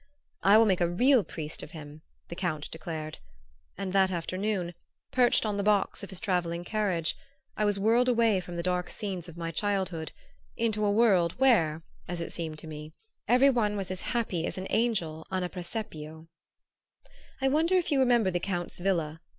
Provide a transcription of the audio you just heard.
"I will make a real priest of him," the Count declared; and that afternoon, perched on the box of his travelling carriage, I was whirled away from the dark scenes of my childhood into a world, where, as it seemed to me, every one was as happy as an angel on a presepio. I wonder if you remember the Count's villa?